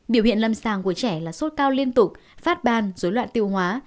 biểu hiện lâm sàng của trẻ là sốt cao liên tục phát ban dối loạn tiêu hóa